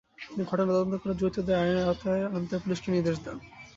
তিনি ঘটনা তদন্ত করে জড়িতদের আইনের আওতায় আনতে পুলিশকে নির্দেশ দেন।